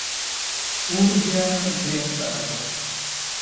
Urĝa bremsado!